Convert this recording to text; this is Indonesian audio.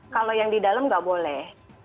kalau yang di dalam nggak boleh